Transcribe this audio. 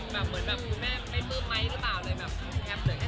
แม่เติบไมค์จะแคปเหลือแคบแค่๔คนอ่ะ